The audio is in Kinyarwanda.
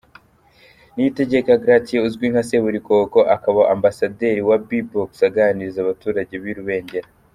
Niyitegeka Gratien uzwi nka Seburikoko akaba ambasaderi wa Bbox aganiriza abaturage b'i Rubengera.